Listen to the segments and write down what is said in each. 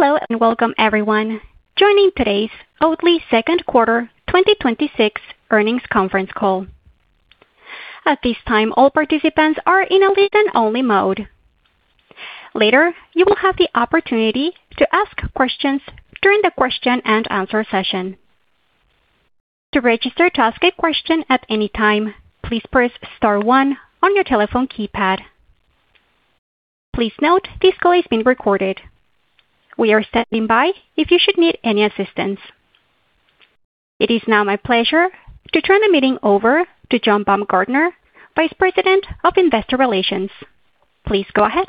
Hello and welcome everyone joining today's Oatly second quarter 2026 earnings conference call. At this time, all participants are in a listen-only mode. Later, you will have the opportunity to ask questions during the question and answer session. To register to ask a question at any time, please press star one on your telephone keypad. Please note this call is being recorded. We are standing by if you should need any assistance. It is now my pleasure to turn the meeting over to John Baumgartner, Vice President of Investor Relations. Please go ahead.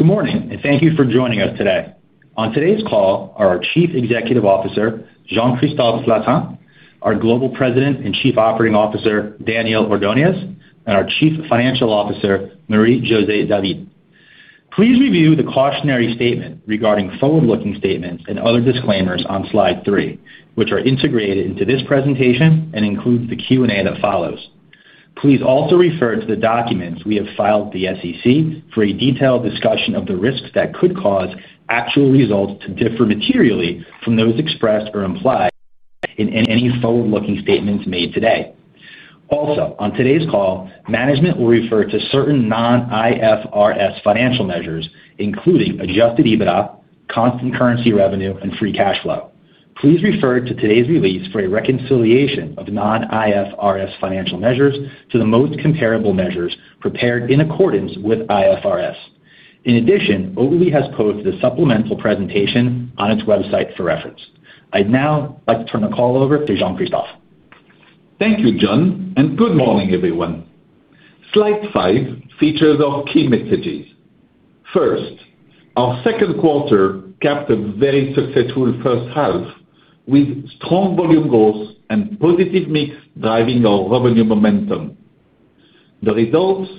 Good morning, thank you for joining us today. On today's call are our Chief Executive Officer, Jean-Christophe Flatin, our Global President and Chief Operating Officer, Daniel Ordoñez, and our Chief Financial Officer, Marie-José David. Please review the cautionary statement regarding forward-looking statements and other disclaimers on slide three, which are integrated into this presentation and include the Q&A that follows. Please also refer to the documents we have filed with the SEC for a detailed discussion of the risks that could cause actual results to differ materially from those expressed or implied in any forward-looking statements made today. Also, on today's call, management will refer to certain non-IFRS financial measures, including adjusted EBITDA, constant currency revenue, and free cash flow. Please refer to today's release for a reconciliation of non-IFRS financial measures to the most comparable measures prepared in accordance with IFRS. In addition, Oatly has posted a supplemental presentation on its website for reference. I'd now like to turn the call over to Jean-Christophe. Thank you, John, good morning, everyone. Slide five features our key messages. First, our second quarter capped a very successful first half with strong volume growth and positive mix driving our revenue momentum. The results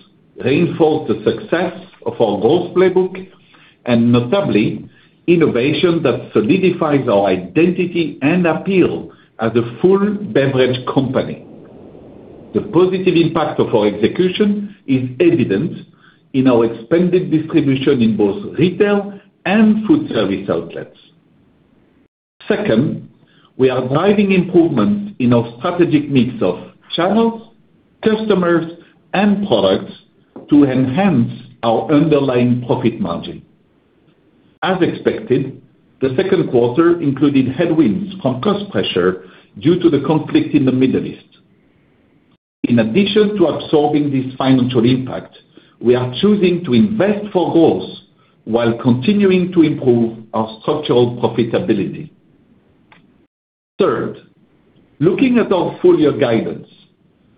reinforce the success of our growth playbook and notably innovation that solidifies our identity and appeal as a full beverage company. The positive impact of our execution is evident in our expanded distribution in both retail and food service outlets. Second, we are driving improvements in our strategic mix of channels, customers, and products to enhance our underlying profit margin. As expected, the second quarter included headwinds from cost pressure due to the conflict in the Middle East. In addition to absorbing this financial impact, we are choosing to invest for growth while continuing to improve our structural profitability. Third, looking at our full-year guidance,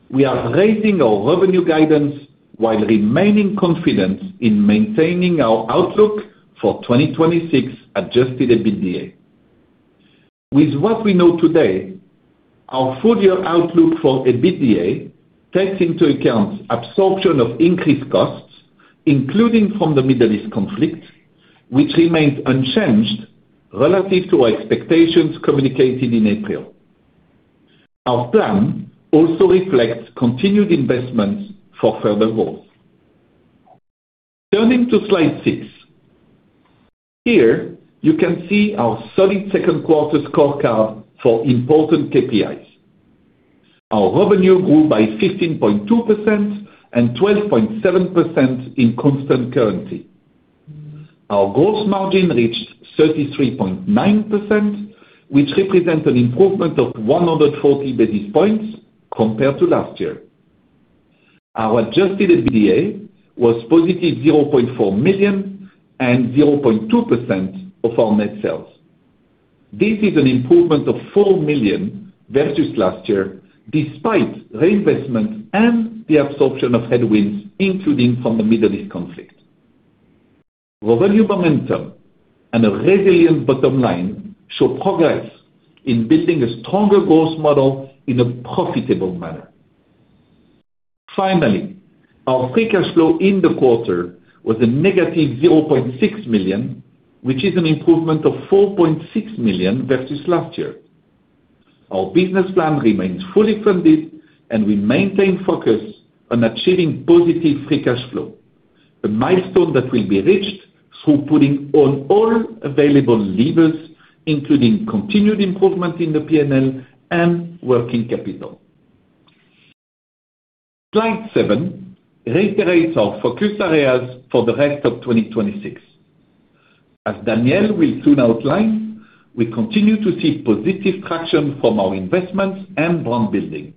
we are raising our revenue guidance while remaining confident in maintaining our outlook for 2026 adjusted EBITDA. With what we know today, our full-year outlook for EBITDA takes into account absorption of increased costs, including from the Middle East conflict, which remains unchanged relative to expectations communicated in April. Our plan also reflects continued investments for further growth. Turning to slide six. Here you can see our solid second quarter scorecard for important KPIs. Our revenue grew by 15.2% and 12.7% in constant currency. Our gross margin reached 33.9%, which represents an improvement of 140 basis points compared to last year. Our adjusted EBITDA was positive $0.4 million and 0.2% of our net sales. This is an improvement of $4 million versus last year, despite reinvestment and the absorption of headwinds, including from the Middle East conflict. Revenue momentum and a resilient bottom line show progress in building a stronger growth model in a profitable manner. Finally, our free cash flow in the quarter was a negative $0.6 million, which is an improvement of $4.6 million versus last year. Our business plan remains fully funded, and we maintain focus on achieving positive free cash flow, a milestone that will be reached through putting on all available levers, including continued improvement in the P&L and working capital. Slide seven reiterates our focus areas for the rest of 2026. As Daniel will soon outline, we continue to see positive traction from our investments and brand building.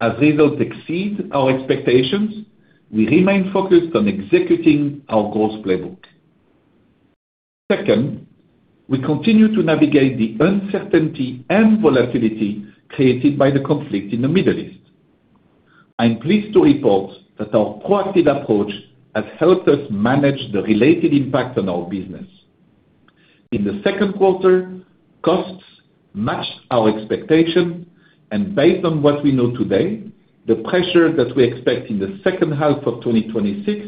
As results exceed our expectations, we remain focused on executing our growth playbook. Second, we continue to navigate the uncertainty and volatility created by the conflict in the Middle East. I'm pleased to report that our proactive approach has helped us manage the related impact on our business. In the second quarter, costs matched our expectation, and based on what we know today, the pressure that we expect in the second half of 2026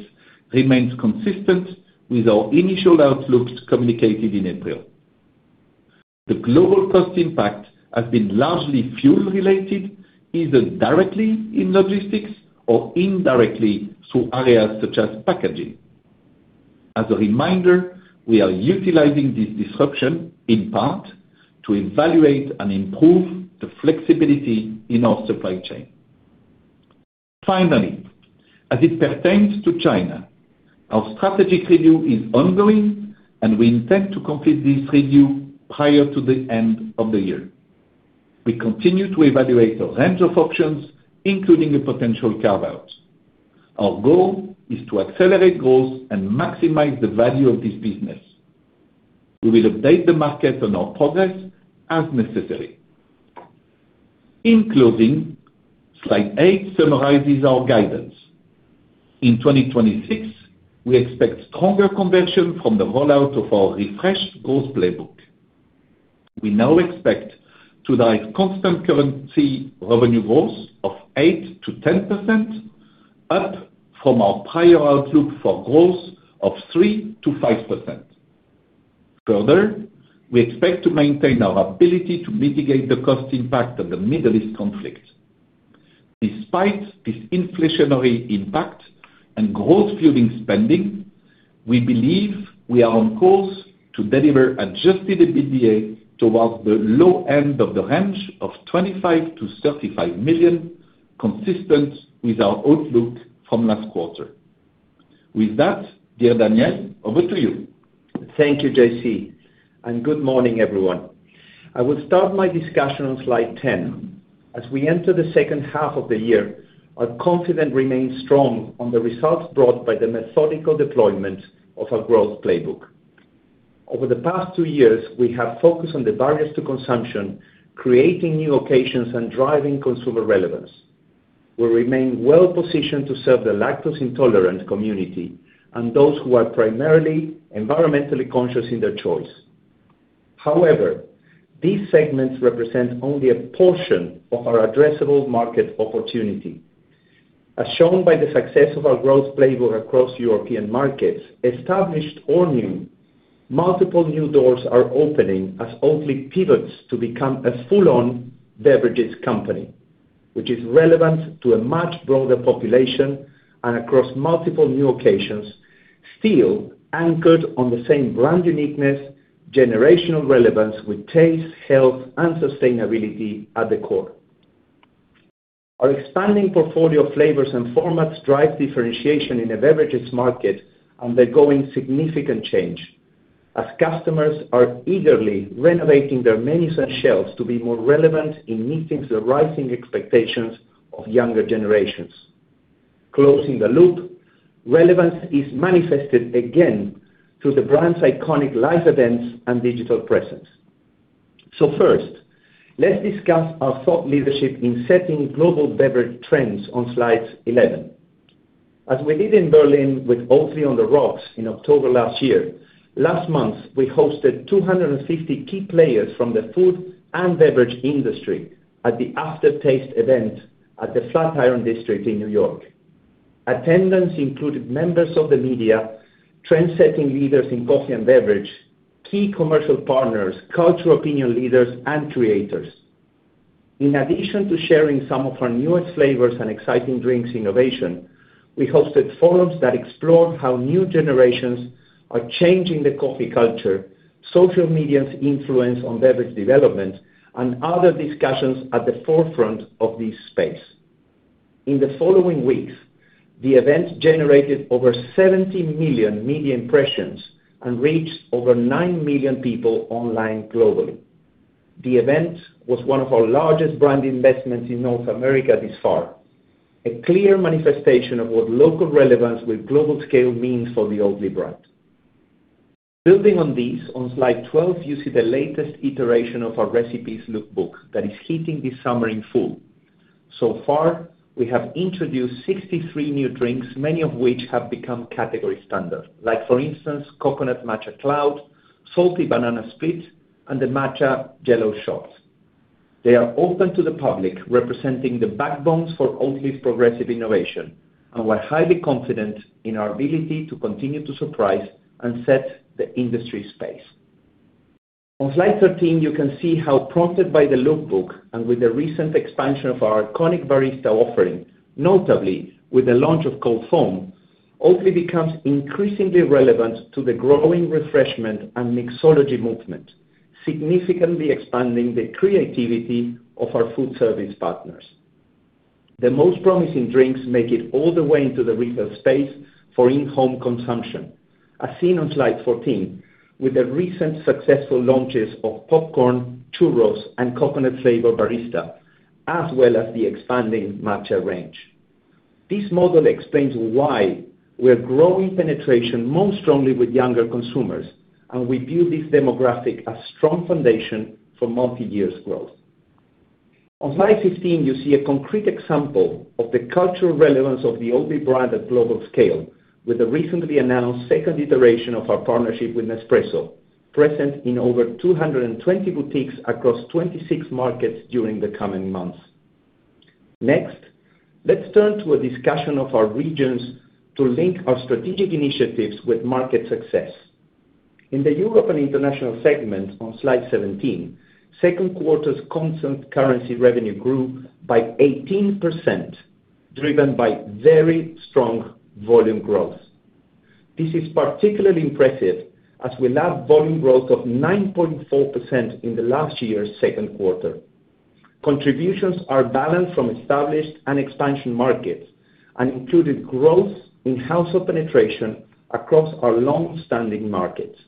remains consistent with our initial outlooks communicated in April. The global cost impact has been largely fuel related, either directly in logistics or indirectly through areas such as packaging. As a reminder, we are utilizing this disruption in part to evaluate and improve the flexibility in our supply chain. Finally, as it pertains to China, our strategic review is ongoing, and we intend to complete this review prior to the end of the year. We continue to evaluate a range of options, including a potential carve-out. Our goal is to accelerate growth and maximize the value of this business. We will update the market on our progress as necessary. In closing, slide eight summarizes our guidance. In 2026, we expect stronger conversion from the rollout of our refreshed growth playbook. We now expect to drive constant currency revenue growth of 8%-10%, up from our prior outlook for growth of 3%-5%. Further, we expect to maintain our ability to mitigate the cost impact of the Middle East conflict. Despite this inflationary impact and growth-fueling spending, we believe we are on course to deliver adjusted EBITDA towards the low end of the range of $25 million-$35 million, consistent with our outlook from last quarter. With that, dear Daniel, over to you. Thank you, J.C., and good morning, everyone. I will start my discussion on slide 10. As we enter the second half of the year, our confidence remains strong on the results brought by the methodical deployment of our growth playbook. Over the past two years, we have focused on the barriers to consumption, creating new occasions, and driving consumer relevance. We remain well-positioned to serve the lactose-intolerant community and those who are primarily environmentally conscious in their choice. However, these segments represent only a portion of our addressable market opportunity. As shown by the success of our growth playbook across European markets, established or new, multiple new doors are opening as Oatly pivots to become a full-on beverages company, which is relevant to a much broader population and across multiple new occasions, still anchored on the same brand uniqueness, generational relevance with taste, health, and sustainability at the core. Our expanding portfolio of flavors and formats drive differentiation in the beverages market and they're going significant change as customers are eagerly renovating their menus and shelves to be more relevant in meeting the rising expectations of younger generations. Closing the loop, relevance is manifested again through the brand's iconic live events and digital presence. First, let's discuss our thought leadership in setting global beverage trends on slide 11. As we did in Berlin with Oatly on the Rocks in October last year, last month, we hosted 250 key players from the food and beverage industry at the After Taste event at the Flatiron District in New York. Attendance included members of the media, trendsetting leaders in coffee and beverage, key commercial partners, cultural opinion leaders, and creators. In addition to sharing some of our newest flavors and exciting drinks innovation, we hosted forums that explored how new generations are changing the coffee culture, social media's influence on beverage development, and other discussions at the forefront of this space. In the following weeks, the event generated over 70 million media impressions and reached over nine million people online globally. The event was one of our largest brand investments in North America this far, a clear manifestation of what local relevance with global scale means for the Oatly brand. Building on this, on slide 12, you see the latest iteration of our recipes lookbook that is hitting this summer in full. So far, we have introduced 63 new drinks, many of which have become category standard. Like for instance, Coconut Matcha Cloud, Salty Banana Split, and the Matcha Jello Shots. They are open to the public, representing the backbones for Oatly's progressive innovation, and we're highly confident in our ability to continue to surprise and set the industry space. On slide 13, you can see how prompted by the lookbook and with the recent expansion of our iconic barista offering, notably with the launch of Cold Foam, Oatly becomes increasingly relevant to the growing refreshment and mixology movement, significantly expanding the creativity of our food service partners. The most promising drinks make it all the way into the retail space for in-home consumption. As seen on slide 14, with the recent successful launches of Popcorn, Churros, and Coconut Flavour Barista, as well as the expanding matcha range. This model explains why we're growing penetration most strongly with younger consumers, and we view this demographic as strong foundation for multi-years growth. On slide 15, you see a concrete example of the cultural relevance of the Oatly brand at global scale with the recently announced second iteration of our partnership with Nespresso, present in over 220 boutiques across 26 markets during the coming months. Next, let's turn to a discussion of our regions to link our strategic initiatives with market success. In the Europe and International segment on slide 17, second quarter's constant currency revenue grew by 18%, driven by very strong volume growth. This is particularly impressive as we allowed volume growth of 9.4% in the last year's second quarter. Contributions are balanced from established and expansion markets and included growth in household penetration across our long-standing markets.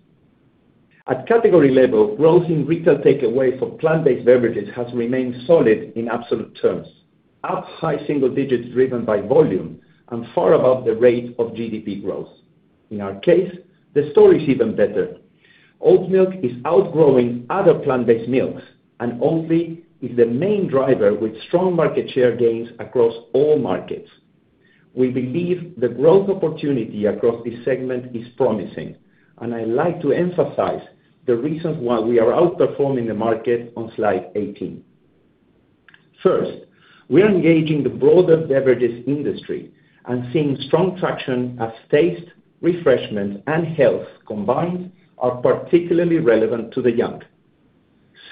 At category level, growth in retail takeaway for plant-based beverages has remained solid in absolute terms. Up high single digits driven by volume and far above the rate of GDP growth. In our case, the story's even better. Oat milk is outgrowing other plant-based milks, Oatly is the main driver with strong market share gains across all markets. We believe the growth opportunity across this segment is promising, I like to emphasize the reasons why we are outperforming the market on slide 18. First, we are engaging the broader beverages industry and seeing strong traction as taste, refreshment, and health combined are particularly relevant to the young.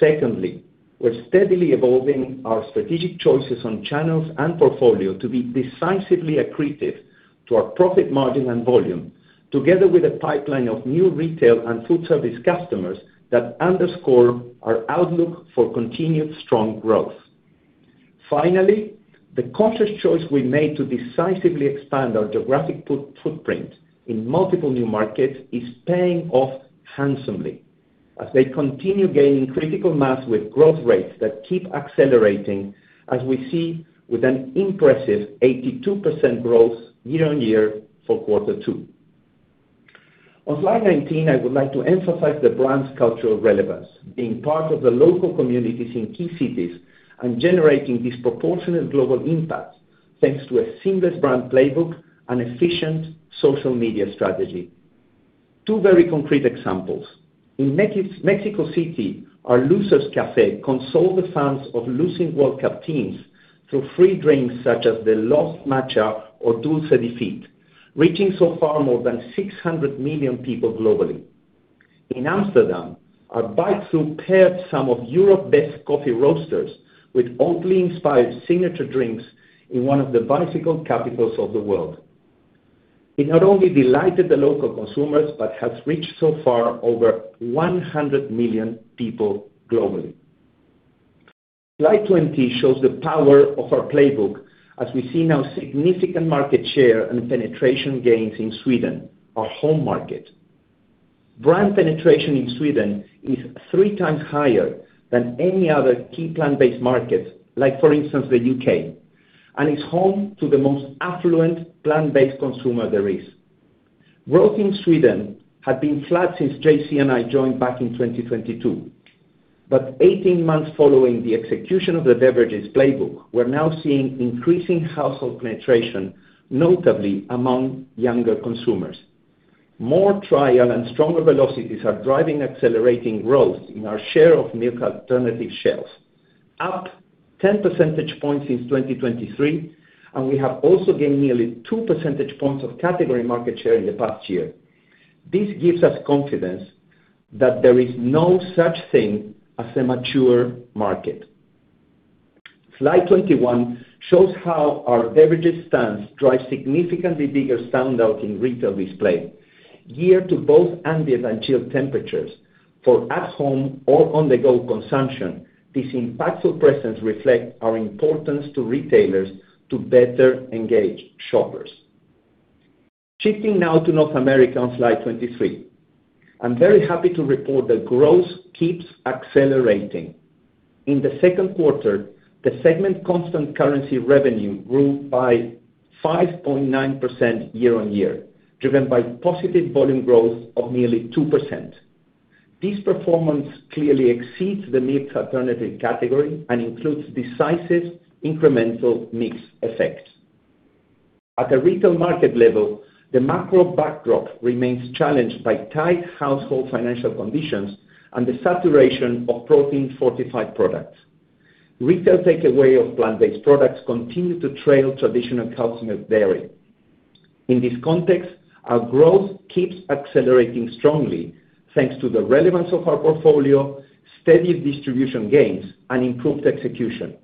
Secondly, we're steadily evolving our strategic choices on channels and portfolio to be decisively accretive to our profit margin and volume, together with a pipeline of new retail and food service customers that underscore our outlook for continued strong growth. Finally, the conscious choice we made to decisively expand our geographic footprint in multiple new markets is paying off handsomely as they continue gaining critical mass with growth rates that keep accelerating as we see with an impressive 82% growth year-on-year for quarter two. On slide 19, I would like to emphasize the brand's cultural relevance, being part of the local communities in key cities and generating disproportionate global impact, thanks to a seamless brand playbook and efficient social media strategy. Two very concrete examples. In Mexico City, our Losers Café consoled the fans of losing World Cup teams through free drinks such as the Lost Matcha or Dulce Defeat, reaching so far more than 600 million people globally. In Amsterdam, our bike tour paired some of Europe's best coffee roasters with Oatly-inspired signature drinks in one of the bicycle capitals of the world. It not only delighted the local consumers but has reached so far over 100 million people globally. Slide 20 shows the power of our playbook as we see now significant market share and penetration gains in Sweden, our home market. Brand penetration in Sweden is three times higher than any other key plant-based market, like for instance, the U.K., is home to the most affluent plant-based consumer there is. Growth in Sweden had been flat since J.C. and I joined back in 2022. 18 months following the execution of the beverages playbook, we're now seeing increasing household penetration, notably among younger consumers. More trial and stronger velocities are driving accelerating growth in our share of milk alternative shelves, up 10 percentage points since 2023, and we have also gained nearly two percentage points of category market share in the past year. This gives us confidence that there is no such thing as a mature market. Slide 21 shows how our beverages stance drives significantly bigger stand out in retail display, geared to both ambient and chilled temperatures. For at home or on the go consumption, this impactful presence reflect our importance to retailers to better engage shoppers. Shifting now to North America on slide 23. I am very happy to report that growth keeps accelerating. In the second quarter, the segment constant currency revenue grew by 5.9% year-on-year, driven by positive volume growth of nearly 2%. This performance clearly exceeds the milk alternative category and includes decisive incremental mix effects. At a retail market level, the macro backdrop remains challenged by tight household financial conditions and the saturation of protein-fortified products. Retail takeaway of plant-based products continue to trail traditional cow's milk dairy. In this context our growth keeps accelerating strongly, thanks to the relevance of our portfolio, steady distribution gains and improved execution.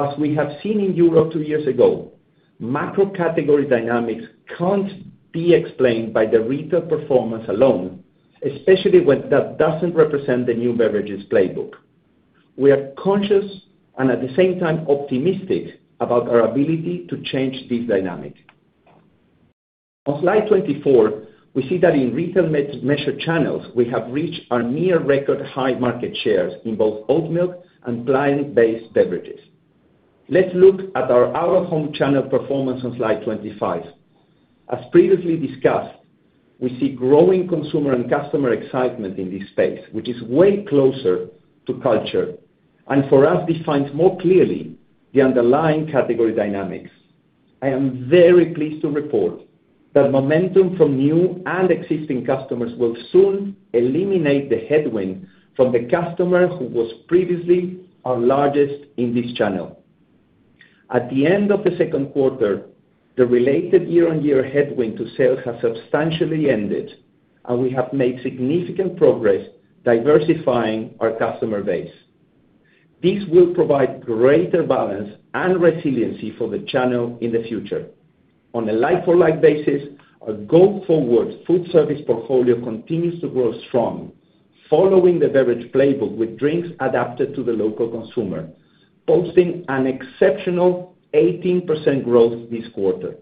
As we have seen in Europe two years ago, macro category dynamics can't be explained by the retail performance alone, especially when that doesn't represent the new beverages playbook. We are conscious and at the same time optimistic about our ability to change this dynamic. On slide 24, we see that in retail measured channels, we have reached our near record high market shares in both oat milk and plant-based beverages. Let's look at our out-of-home channel performance on slide 25. As previously discussed, we see growing consumer and customer excitement in this space, which is way closer to culture. For us, defines more clearly the underlying category dynamics I am very pleased to report that momentum from new and existing customers will soon eliminate the headwind from the customer who was previously our largest in this channel. At the end of the second quarter, the related year-on-year headwind to sales has substantially ended, and we have made significant progress diversifying our customer base. This will provide greater balance and resiliency for the channel in the future. On a like-for-like basis, our go-forward food service portfolio continues to grow strong, following the beverage playbook with drinks adapted to the local consumer, posting an exceptional 18% growth this quarter.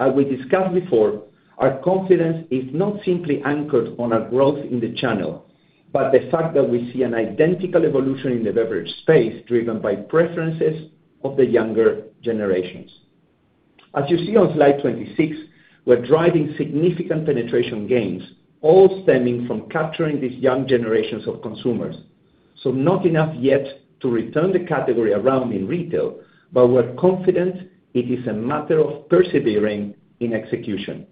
As we discussed before, our confidence is not simply anchored on our growth in the channel, but the fact that we see an identical evolution in the beverage space driven by preferences of the younger generations. As you see on slide 26, we're driving significant penetration gains, all stemming from capturing these young generations of consumers. Not enough yet to return the category around in retail, but we're confident it is a matter of persevering in execution.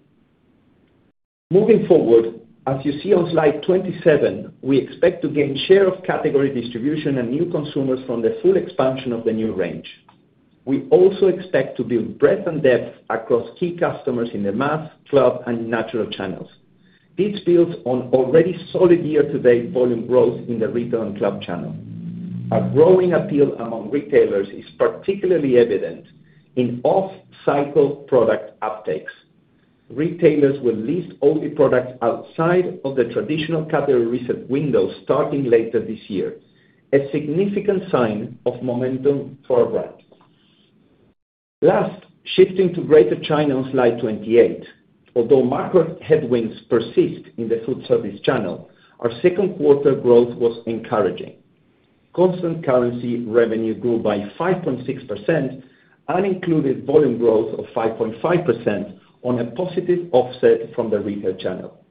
Moving forward, as you see on slide 27, we expect to gain share of category distribution and new consumers from the full expansion of the new range. We also expect to build breadth and depth across key customers in the mass, club, and natural channels. This builds on already solid year-to-date volume growth in the retail and club channel. Our growing appeal among retailers is particularly evident in off-cycle product uptakes. Retailers will list all the products outside of the traditional category reset window starting later this year, a significant sign of momentum for our brand. Last, shifting to Greater China on slide 28. Although macro headwinds persist in the food service channel, our second quarter growth was encouraging. Constant currency revenue grew by 5.6% and included volume growth of 5.5% on a positive offset from the retail channel.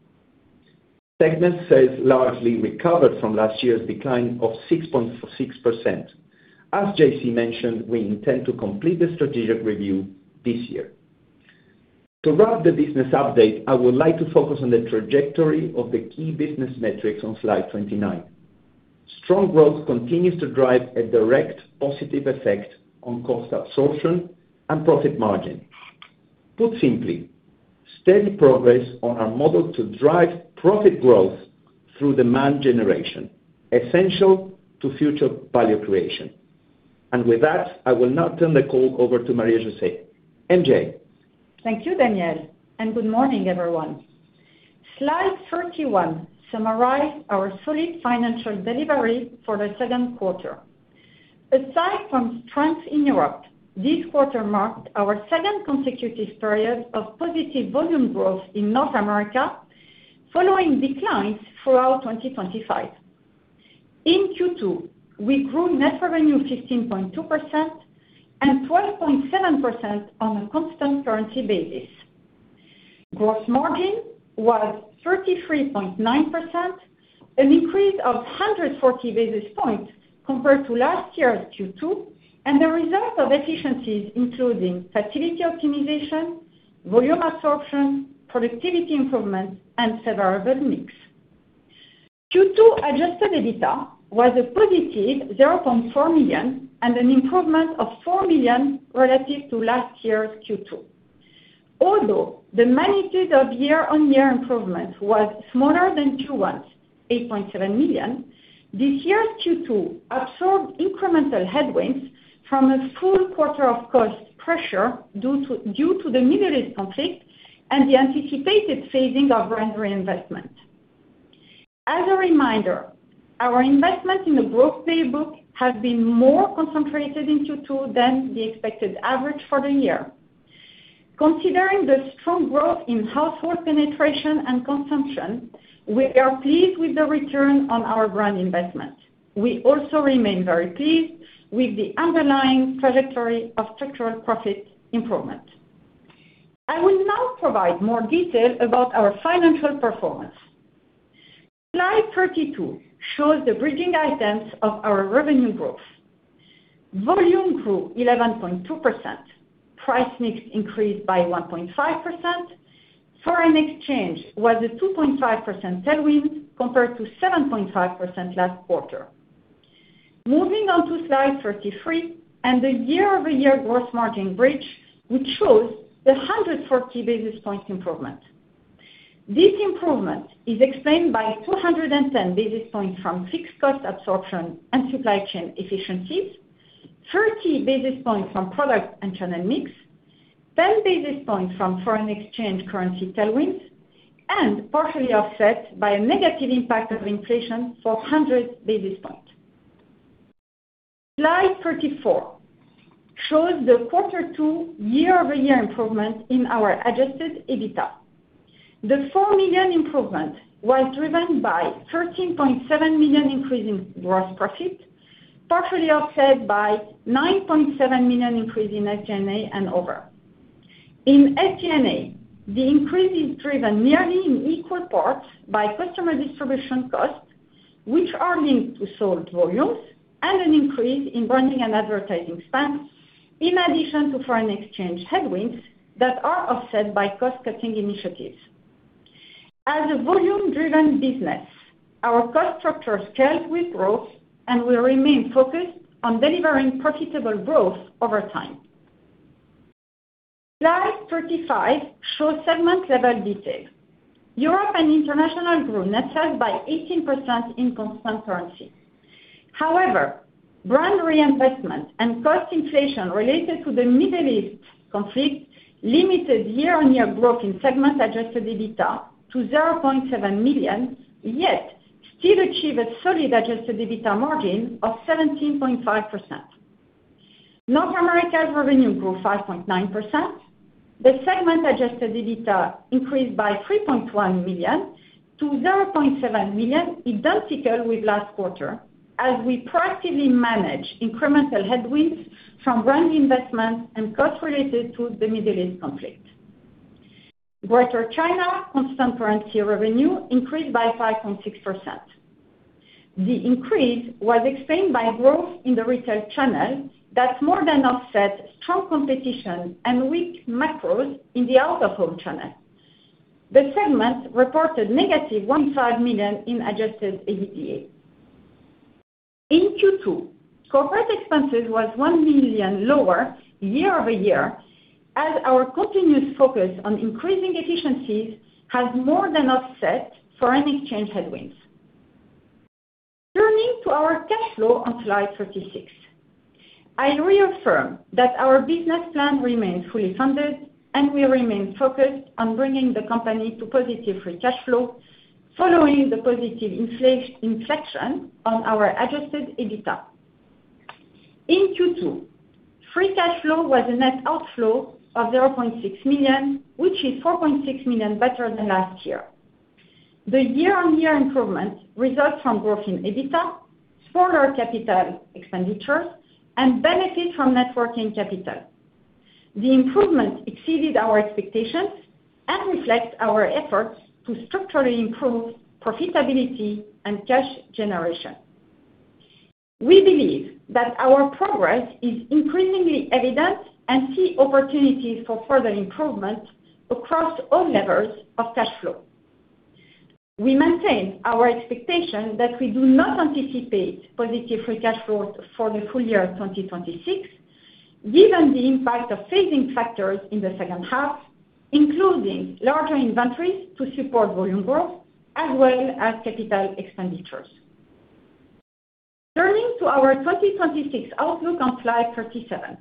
Segment sales largely recovered from last year's decline of 6.6%. As J.C. mentioned, we intend to complete the strategic review this year. To wrap the business update, I would like to focus on the trajectory of the key business metrics on slide 29. Strong growth continues to drive a direct positive effect on cost absorption and profit margin. Put simply, steady progress on our model to drive profit growth through demand generation, essential to future value creation. With that, I will now turn the call over to Marie-José. MJ? Thank you, Daniel, and good morning, everyone. Slide 31 summarize our solid financial delivery for the second quarter. Aside from strength in Europe, this quarter marked our second consecutive period of positive volume growth in North America following declines throughout 2025. In Q2, we grew net revenue 15.2% and 12.7% on a constant currency basis. Gross margin was 33.9%, an increase of 140 basis points compared to last year's Q2, and the result of efficiencies including facility optimization, volume absorption, productivity improvements, and favorable mix. Q2 adjusted EBITDA was a positive $0.4 million and an improvement of $4 million relative to last year's Q2. Although the magnitude of year-on-year improvement was smaller than Q1's $8.7 million, this year's Q2 absorbed incremental headwinds from a full quarter of cost pressure due to the Middle East conflict and the anticipated phasing of brand reinvestment. As a reminder, our investment in the growth playbook has been more concentrated in Q2 than the expected average for the year. Considering the strong growth in household penetration and consumption, we are pleased with the return on our brand investment. We also remain very pleased with the underlying trajectory of structural profit improvement. I will now provide more detail about our financial performance. Slide 32 shows the bridging items of our revenue growth. Volume grew 11.2%. Price mix increased by 1.5%. Foreign exchange was a 2.5% tailwind compared to 7.5% last quarter. Moving on to slide 33 and the year-over-year gross margin bridge, which shows the 140 basis point improvement. This improvement is explained by 210 basis points from fixed cost absorption and supply chain efficiencies, 30 basis points from product and channel mix, 10 basis points from foreign exchange currency tailwinds, and partially offset by a negative impact of inflation for 100 basis points. Slide 34 shows the quarter two year-over-year improvement in our adjusted EBITDA. The $4 million improvement was driven by $13.7 million increase in gross profit, partially offset by $9.7 million increase in SG&A and overhead. In SG&A, the increase is driven nearly in equal parts by customer distribution costs, which are linked to sold volumes and an increase in branding and advertising spend, in addition to foreign exchange headwinds that are offset by cost-cutting initiatives. As a volume-driven business, our cost structure scales with growth, and we remain focused on delivering profitable growth over time. Slide 35 shows segment-level detail. Europe and International grew net sales by 18% in constant currency. Brand reinvestment and cost inflation related to the Middle East conflict limited year-over-year growth in segment adjusted EBITDA to $0.7 million, yet still achieved a solid adjusted EBITDA margin of 17.5%. North America's revenue grew 5.9%. Segment adjusted EBITDA increased by $3.1 million-$0.7 million, identical with last quarter, as we proactively manage incremental headwinds from brand investments and costs related to the Middle East conflict. Greater China constant currency revenue increased by 5.6%. Increase was explained by growth in the retail channel that more than offset strong competition and weak macros in the out-of-home channel. The segment reported negative $1.5 million in adjusted EBITDA. In Q2, corporate expenses was $1 million lower year-over-year, as our continuous focus on increasing efficiencies has more than offset foreign exchange headwinds. Turning to our cash flow on slide 36. I reaffirm that our business plan remains fully funded. We remain focused on bringing the company to positive free cash flow following the positive inflection on our adjusted EBITDA. In Q2, free cash flow was a net outflow of $0.6 million, which is $4.6 million better than last year. The year-on-year improvement results from growth in EBITDA, smaller capital expenditures, and benefit from net working capital. Improvement exceeded our expectations and reflects our efforts to structurally improve profitability and cash generation. We believe that our progress is increasingly evident and see opportunities for further improvement across all levers of cash flow. We maintain our expectation that we do not anticipate positive free cash flow for the full year 2026, given the impact of seasoning factors in the second half, including larger inventories to support volume growth as well as capital expenditures. Turning to our 2026 outlook on slide 37.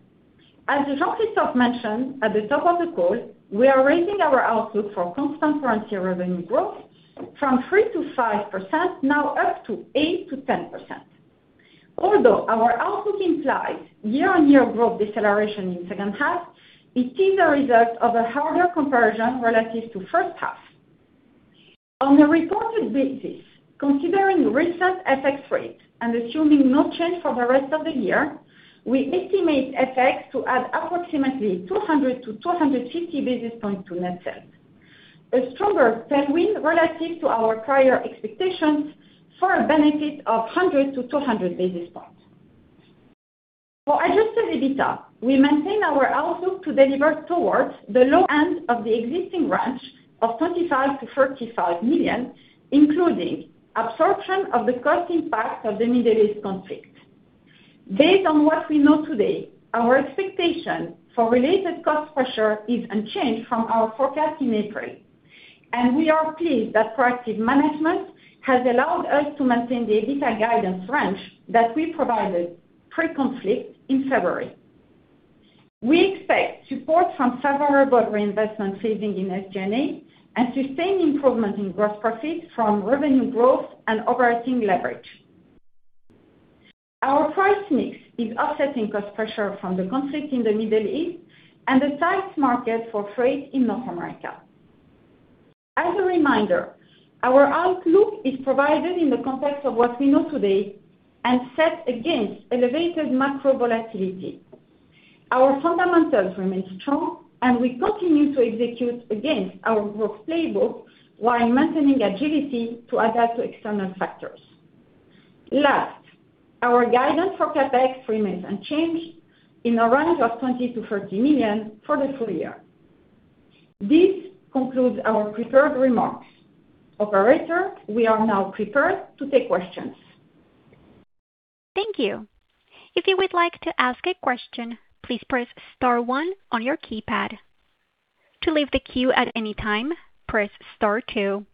As Jean-Christophe mentioned at the top of the call, we are raising our outlook for constant currency revenue growth from 3%-5%, now up to 8%-10%. Our outlook implies year-over-year growth deceleration in second half, it is a result of a harder comparison relative to first half. A reported basis, considering recent FX rates and assuming no change for the rest of the year, we estimate FX to add approximately 200-250 basis points to net sales, a stronger tailwind relative to our prior expectations for a benefit of 100-200 basis points. For adjusted EBITDA, we maintain our outlook to deliver towards the low end of the existing range of $25 million-$35 million, including absorption of the cost impact of the Middle East conflict. Based on what we know today, our expectation for related cost pressure is unchanged from our forecast in April. We are pleased that proactive management has allowed us to maintain the EBITDA guidance range that we provided pre-conflict in February. We expect support from favorable reinvestment saving in SG&A and sustained improvement in gross profit from revenue growth and operating leverage. Our price mix is offsetting cost pressure from the conflict in the Middle East and the tight market for freight in North America. A reminder, our outlook is provided in the context of what we know today and set against elevated macro volatility. Our fundamentals remain strong, and we continue to execute against our growth playbook while maintaining agility to adapt to external factors. Last, our guidance for CapEx remains unchanged in the range of $20 million-$30 million for the full year. This concludes our prepared remarks. Operator, we are now prepared to take questions. Thank you. If you would like to ask a question, please press star one on your keypad. To leave the queue at any time, press star two.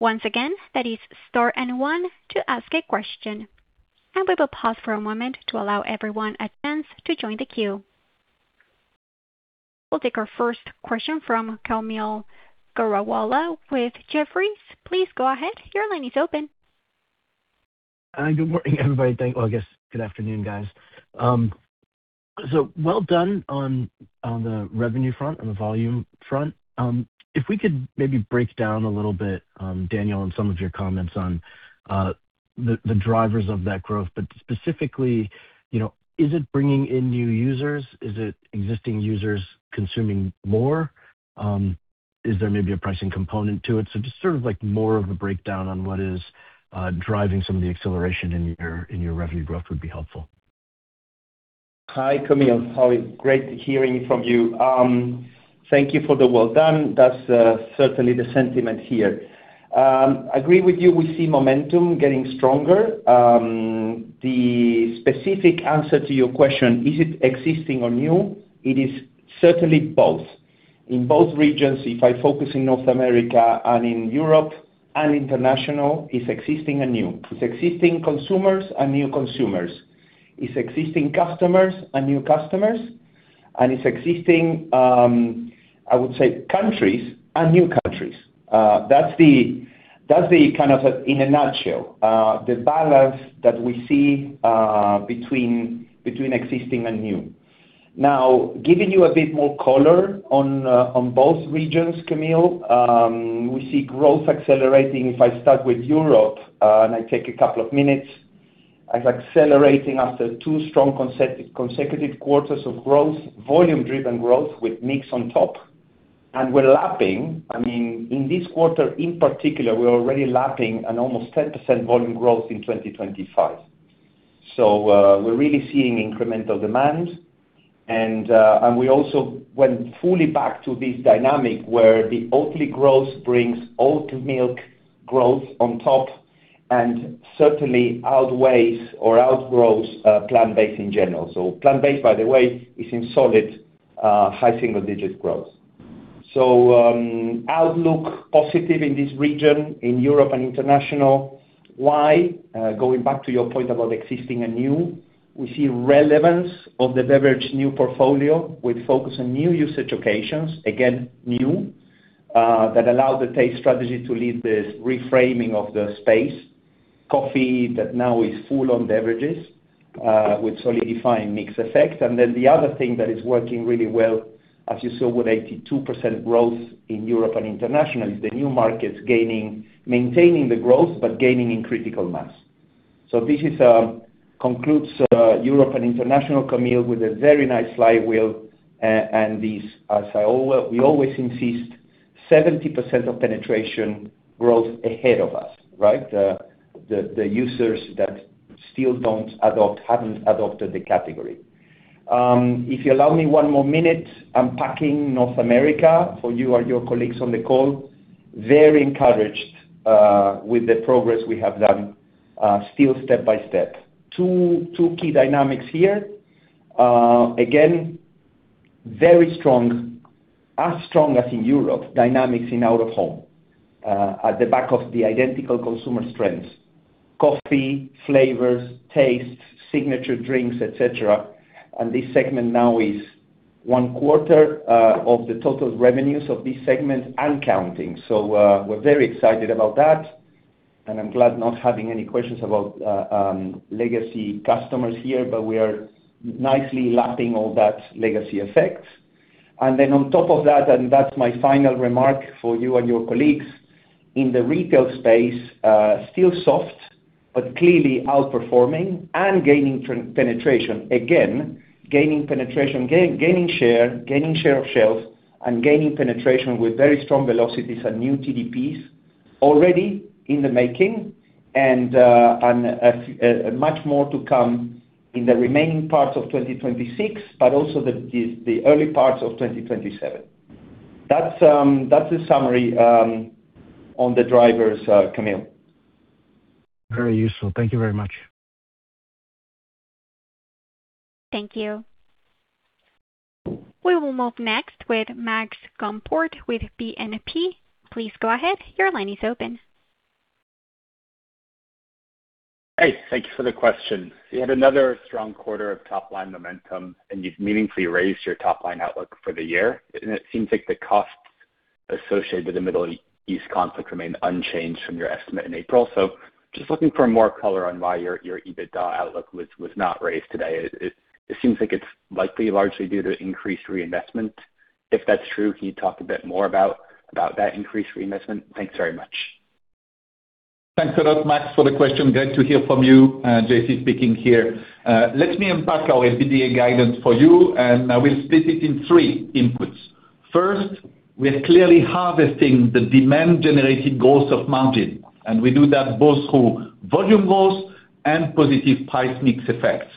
Once again, that is star and one to ask a question. We will pause for a moment to allow everyone a chance to join the queue. We will take our first question from Kaumil Gajrawala with Jefferies. Please go ahead. Your line is open. Good morning, everybody. Well, I guess good afternoon, guys. Well done on the revenue front, on the volume front. If we could maybe break down a little bit, Daniel, on some of your comments on the drivers of that growth, specifically, is it bringing in new users? Is it existing users consuming more? Is there maybe a pricing component to it? Just more of a breakdown on what is driving some of the acceleration in your revenue growth would be helpful. Hi, Kaumil. Great hearing from you. Thank you for the well done. That's certainly the sentiment here. Agree with you, we see momentum getting stronger. The specific answer to your question, is it existing or new? It is certainly both. In both regions, if I focus in North America and in Europe and international, it's existing and new. It's existing consumers and new consumers. It's existing customers and new customers. It's existing, I would say, countries and new countries. That's the kind of in a nutshell, the balance that we see between existing and new. Now, giving you a bit more color on both regions, Kaumil. We see growth accelerating. If I start with Europe, I take a couple of minutes. It's accelerating after two strong consecutive quarters of volume-driven growth with mix on top, we're lapping. In this quarter in particular, we're already lapping an almost 10% volume growth in 2025. We're really seeing incremental demand. We also went fully back to this dynamic where the Oatly growth brings oat milk growth on top, and certainly outweighs or outgrows plant-based in general. Plant-based, by the way, is in solid high single-digit growth. Outlook positive in this region, in Europe and international. Why? Going back to your point about existing and new. We see relevance of the beverage new portfolio with focus on new usage occasions, again, new, that allow the taste strategy to lead this reframing of the space. Coffee that now is full on beverages, with solidifying mix effect. The other thing that is working really well, as you saw with 82% growth in Europe and international, is the new markets maintaining the growth, but gaining in critical mass. This concludes Europe and international, Kaumil, with a very nice flywheel. As we always insist, 70% of penetration growth ahead of us, right? The users that still haven't adopted the category. If you allow me one more minute unpacking North America for you or your colleagues on the call, very encouraged with the progress we have done, still step by step. Two key dynamics here. Again, very strong, as strong as in Europe, dynamics in out of home, at the back of the identical consumer strengths. Coffee, flavors, tastes, signature drinks, et cetera. This segment now is one quarter of the total revenues of this segment and counting. We're very excited about that. I'm glad not having any questions about legacy customers here, but we are nicely lapping all that legacy effects. On top of that's my final remark for you and your colleagues. In the retail space, still soft, but clearly outperforming and gaining penetration. Again, gaining penetration, gaining share, gaining share of shelf, and gaining penetration with very strong velocities and new TDPs already in the making. Much more to come in the remaining parts of 2026, but also the early parts of 2027. That's the summary on the drivers, Kaumil. Very useful. Thank you very much. Thank you. We will move next with Max Gumport with BNP. Please go ahead. Your line is open. Hey, thank you for the question. You had another strong quarter of top-line momentum, you've meaningfully raised your top-line outlook for the year. It seems like the costs associated with the Middle East conflict remain unchanged from your estimate in April. Just looking for more color on why your EBITDA outlook was not raised today. It seems like it's likely largely due to increased reinvestment. If that's true, can you talk a bit more about that increased reinvestment? Thanks very much. Thanks a lot, Max, for the question. Great to hear from you. J.C. speaking here. Let me unpack our EBITDA guidance for you, I will split it in three inputs. First, we're clearly harvesting the demand-generated growth of margin, and we do that both through volume growth and positive price mix effects.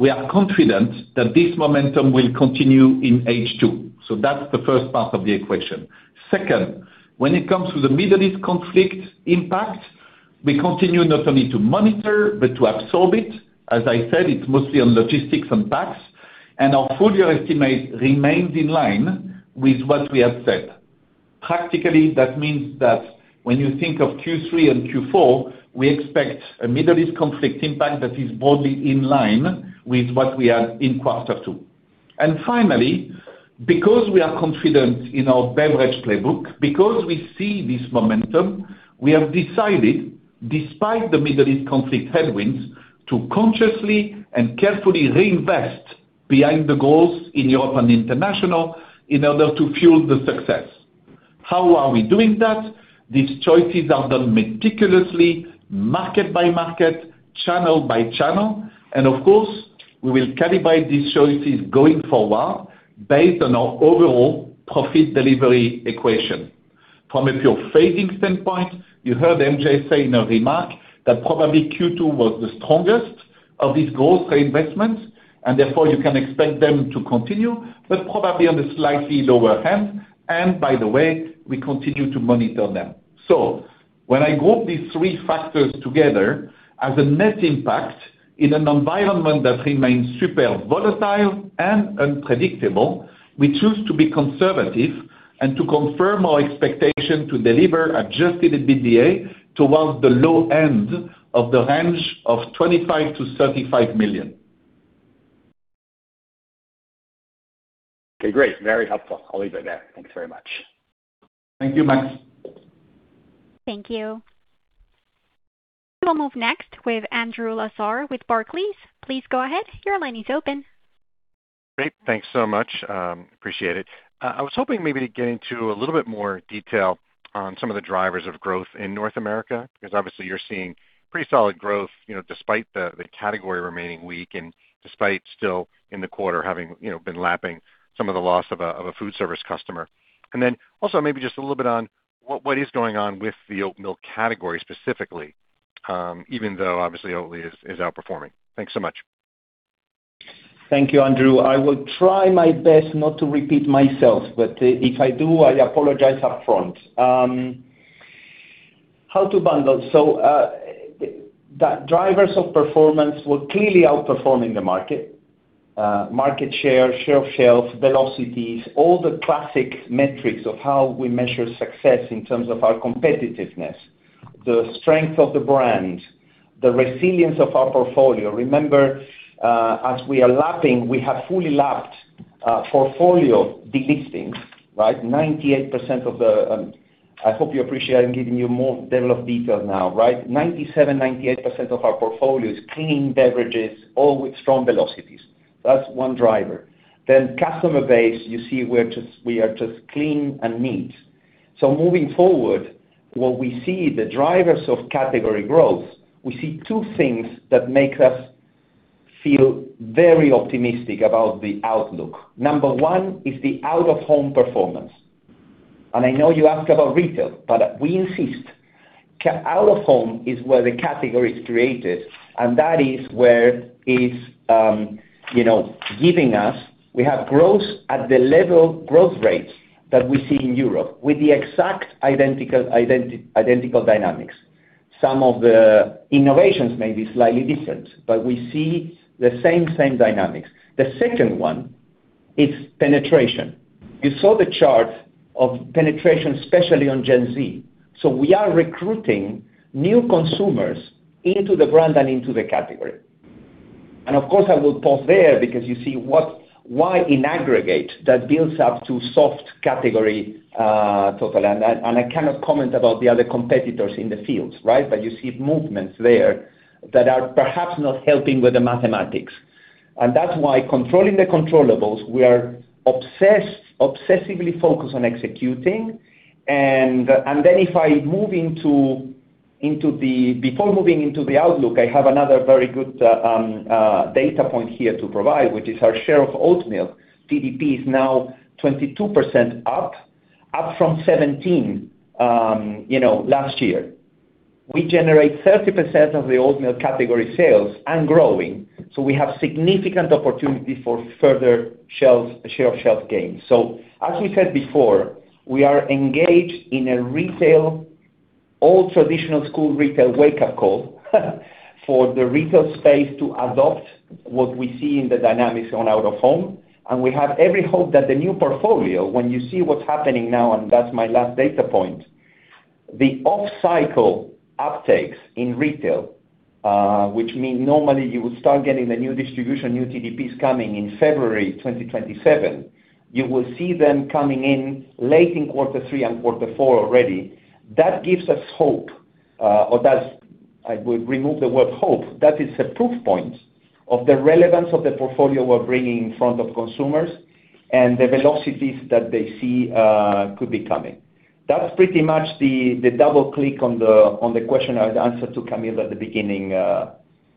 We are confident that this momentum will continue in H2. That's the first part of the equation. Second, when it comes to the Middle East conflict impact, we continue not only to monitor but to absorb it. As I said, it's mostly on logistics and tax, our full-year estimate remains in line with what we have said. Practically, that means that when you think of Q3 and Q4, we expect a Middle East conflict impact that is broadly in line with what we had in quarter two. Finally, because we are confident in our beverage playbook, because we see this momentum, we have decided, despite the Middle East conflict headwinds, to consciously and carefully reinvest behind the growth in Europe and international in order to fuel the success. How are we doing that? These choices are done meticulously, market by market, channel by channel. Of course, we will calibrate these choices going forward based on our overall profit delivery equation. From a pure phasing standpoint, you heard MJ say in her remark that probably Q2 was the strongest of these growth investments, therefore you can expect them to continue, but probably on a slightly lower hand. By the way, we continue to monitor them. When I group these three factors together as a net impact in an environment that remains super volatile and unpredictable, we choose to be conservative and to confirm our expectation to deliver adjusted EBITDA towards the low end of the range of $25 million-$35 million. Okay, great. Very helpful. I'll leave it there. Thanks very much. Thank you, Max. Thank you. We'll move next with Andrew Lazar with Barclays. Please go ahead. Your line is open. Great. Thanks so much. Appreciate it. I was hoping maybe to get into a little bit more detail on some of the drivers of growth in North America, because obviously you're seeing pretty solid growth despite the category remaining weak and despite still in the quarter having been lapping some of the loss of a food service customer. Also maybe just a little bit on what is going on with the oat milk category specifically, even though obviously Oatly is outperforming. Thanks so much. Thank you, Andrew. I will try my best not to repeat myself, but if I do, I apologize upfront. How to bundle? The drivers of performance were clearly outperforming the market. Market share of shelf, velocities, all the classic metrics of how we measure success in terms of our competitiveness, the strength of the brand, the resilience of our portfolio. Remember, as we are lapping, we have fully lapped portfolio delisting, right? I hope you appreciate I'm giving you more level of detail now, right? 97%, 98% of our portfolio is clean beverages, all with strong velocities. That's one driver. Customer base, you see we are just clean and neat. Moving forward, what we see the drivers of category growth, we see two things that make us feel very optimistic about the outlook. Number one is the out-of-home performance. I know you asked about retail, but we insist. Out-of-home is where the category is created, and that is where it's giving us growth at the level growth rates that we see in Europe with the exact identical dynamics. Some of the innovations may be slightly different, but we see the same dynamics. The second one is penetration. You saw the chart of penetration, especially on Gen Z. We are recruiting new consumers into the brand and into the category. Of course, I will pause there because you see why in aggregate that builds up to soft category total. I cannot comment about the other competitors in the field, right? You see movements there that are perhaps not helping with the mathematics. That's why controlling the controllables, we are obsessively focused on executing. Before moving into the outlook, I have another very good data point here to provide, which is our share of oat milk. TDP is now 22% up from 17% last year. We generate 30% of the oat milk category sales and growing. We have significant opportunity for further share of shelf gains. As we said before, we are engaged in a retail, old traditional school retail wake-up call for the retail space to adopt what we see in the dynamics on out-of-home. We have every hope that the new portfolio, when you see what's happening now, and that's my last data point, the off-cycle uptakes in retail, which means normally you would start getting the new distribution, new TDPs coming in February 2027. You will see them coming in late in quarter three and quarter four already. That gives us hope, or I would remove the word hope. That is a proof point of the relevance of the portfolio we're bringing in front of consumers and the velocities that they see could be coming. That's pretty much the double-click on the question I answered to Kaumil at the beginning,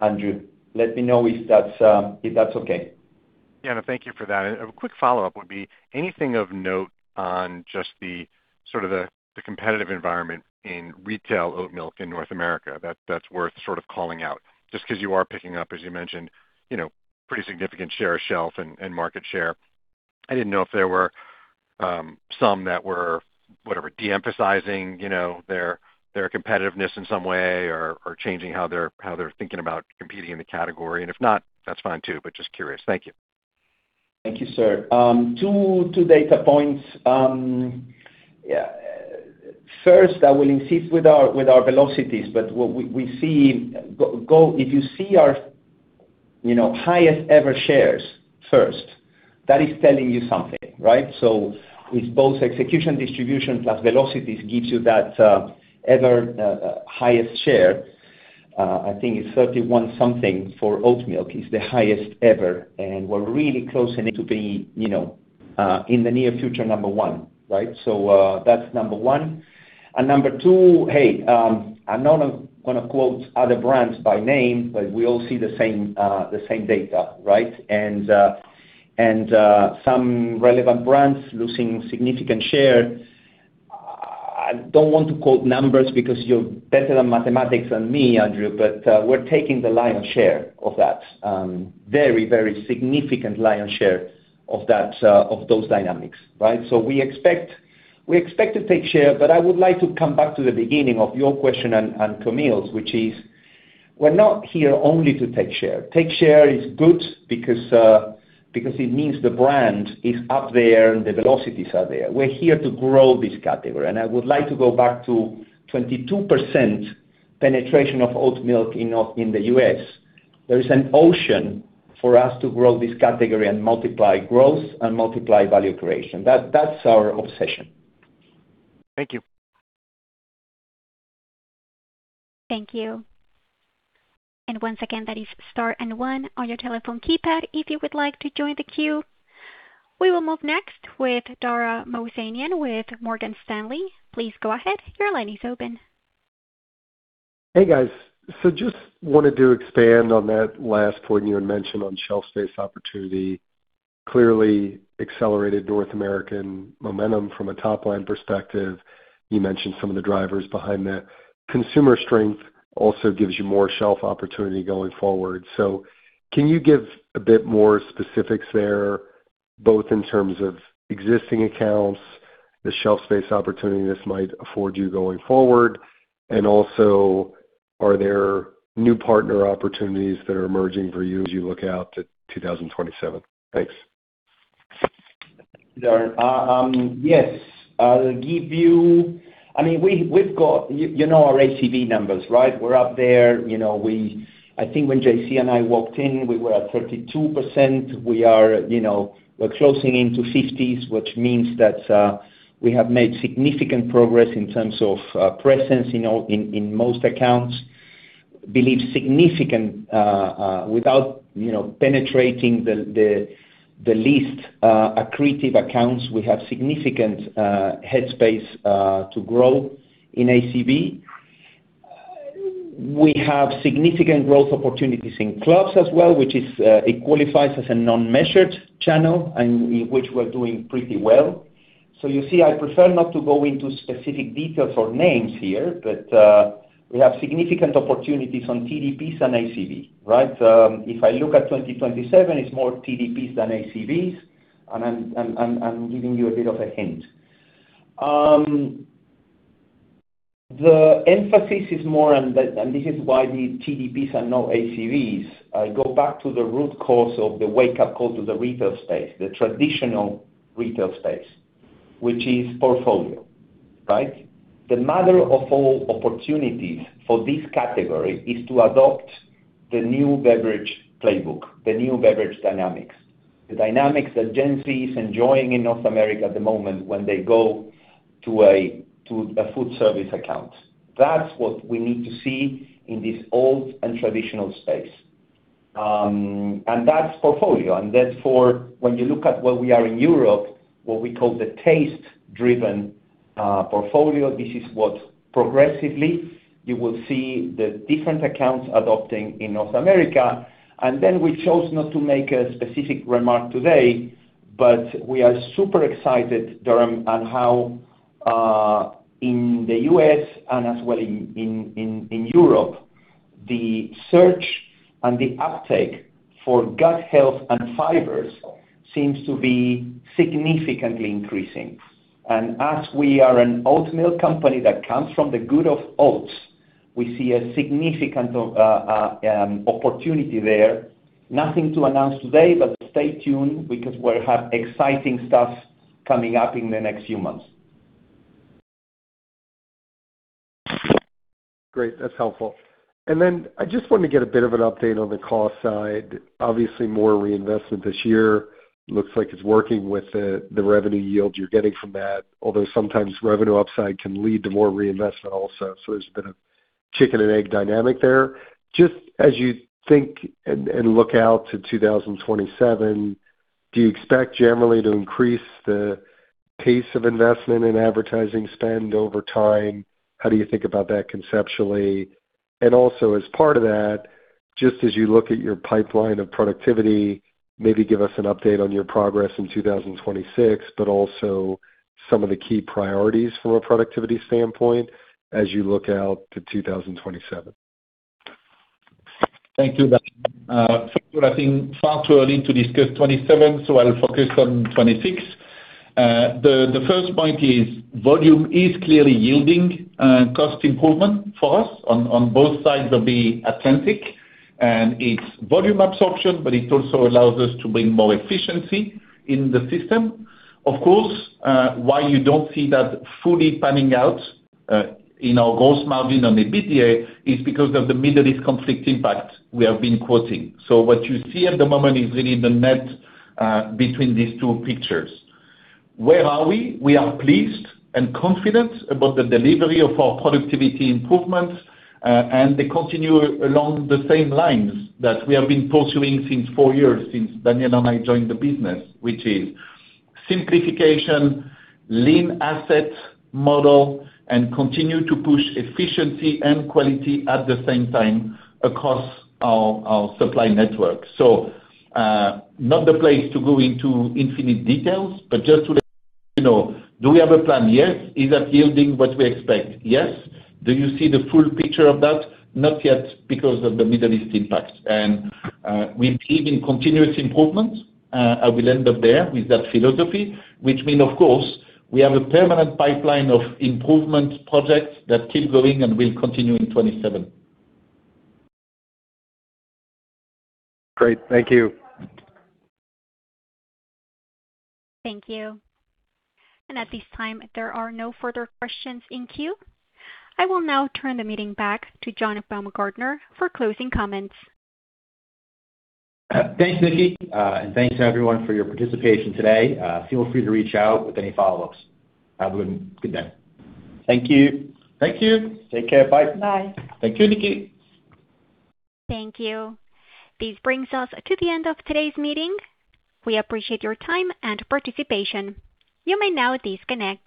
Andrew. Let me know if that's okay. Thank you for that. A quick follow-up would be anything of note on just the competitive environment in retail oat milk in North America that's worth calling out, just because you are picking up, as you mentioned, pretty significant share of shelf and market share. I didn't know if there were some that were, whatever, de-emphasizing their competitiveness in some way or changing how they're thinking about competing in the category. If not, that's fine too, but just curious. Thank you. Thank you, sir. Two data points. First, I will insist with our velocities, but if you see our highest ever shares first, that is telling you something, right? With both execution distribution plus velocities gives you that ever highest share. I think it's 31-something for oat milk. It's the highest ever, and we're really closing in to be, in the near future, number one, right? That's number one. Number two, hey, I'm not going to quote other brands by name, but we all see the same data, right? Some relevant brands losing significant share. I don't want to quote numbers because you're better at mathematics than me, Andrew, but we're taking the lion's share of that. Very significant lion's share of those dynamics, right? We expect to take share, but I would like to come back to the beginning of your question and Kaumil's, which is, we're not here only to take share. Take share is good because it means the brand is up there and the velocities are there. We're here to grow this category. I would like to go back to 22% penetration of oat milk in the U.S. There is an ocean for us to grow this category and multiply growth and multiply value creation. That's our obsession. Thank you. Thank you. Once again, that is star and one on your telephone keypad, if you would like to join the queue. We will move next with Dara Mohsenian with Morgan Stanley. Please go ahead. Your line is open. Hey, guys. Just wanted to expand on that last point you had mentioned on shelf space opportunity. Clearly accelerated North American momentum from a top-line perspective. You mentioned some of the drivers behind that. Consumer strength also gives you more shelf opportunity going forward. Can you give a bit more specifics there, both in terms of existing accounts, the shelf space opportunity this might afford you going forward, and also, are there new partner opportunities that are emerging for you as you look out to 2027? Thanks. Dara. Yes. You know our ACV numbers, right? We're up there. I think when J.C. and I walked in, we were at 32%. We're closing into 50%, which means that we have made significant progress in terms of presence in most accounts. Believe significant, without penetrating the least accretive accounts, we have significant headspace to grow in ACV. We have significant growth opportunities in clubs as well, which it qualifies as a non-measured channel and which we're doing pretty well. You see, I prefer not to go into specific details or names here, but we have significant opportunities on TDPs and ACV, right? If I look at 2027, it's more TDPs than ACVs, and I'm giving you a bit of a hint. The emphasis is more on that, this is why the TDPs are now ACVs. I go back to the root cause of the wake-up call to the retail space, the traditional retail space, which is portfolio, right? The mother of all opportunities for this category is to adopt the new beverage playbook, the new beverage dynamics, the dynamics that Gen Z is enjoying in North America at the moment when they go to a food service account. That's what we need to see in this old and traditional space. That's portfolio. Therefore, when you look at where we are in Europe, what we call the taste-driven portfolio, this is what progressively you will see the different accounts adopting in North America. We chose not to make a specific remark today, but we are super excited, Dara, on how, in the U.S. and as well in Europe, the search and the uptake for gut health and fibers seems to be significantly increasing. As we are an oat milk company that comes from the good of oats, we see a significant opportunity there. Nothing to announce today, but stay tuned because we have exciting stuff coming up in the next few months. Great. That's helpful. I just wanted to get a bit of an update on the cost side. Obviously, more reinvestment this year looks like it's working with the revenue yield you're getting from that. Although sometimes revenue upside can lead to more reinvestment also. There's a bit of chicken and egg dynamic there. Just as you think and look out to 2027, do you expect generally to increase the pace of investment in advertising spend over time? How do you think about that conceptually? Also, as part of that, just as you look at your pipeline of productivity, maybe give us an update on your progress in 2026, but also some of the key priorities from a productivity standpoint as you look out to 2027. Thank you, Dara. I think far too early to discuss 2027. I'll focus on 2026. The first point is volume is clearly yielding cost improvement for us on both sides of the Atlantic, and it's volume absorption, but it also allows us to bring more efficiency in the system. Of course, why you don't see that fully panning out in our gross margin on the EBITDA is because of the Middle East conflict impact we have been quoting. What you see at the moment is really the net between these two pictures. Where are we? We are pleased and confident about the delivery of our productivity improvements, and they continue along the same lines that we have been pursuing since four years, since Daniel and I joined the business, which is simplification, lean asset model, and continue to push efficiency and quality at the same time across our supply network. Not the place to go into infinite details, but just to let you know, do we have a plan? Yes. Is that yielding what we expect? Yes. Do you see the full picture of that? Not yet, because of the Middle East impact. We believe in continuous improvement. I will end up there with that philosophy, which mean, of course, we have a permanent pipeline of improvement projects that keep going and will continue in 2027. Great. Thank you. Thank you. At this time, there are no further questions in queue. I will now turn the meeting back to John Baumgartner for closing comments. Thanks, Nikki. Thanks everyone for your participation today. Feel free to reach out with any follow-ups. Have a good day. Thank you. Thank you. Take care. Bye. Bye. Thank you, Nikki. Thank you. This brings us to the end of today's meeting. We appreciate your time and participation. You may now disconnect.